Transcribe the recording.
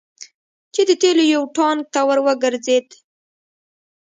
چې د تیلو یو ټانګ ته ور وګرځید.